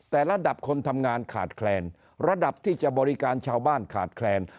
แต่ระดับคนทำงานขาดแคลนระดับที่จะบริการชาวบ้านขาดแคลน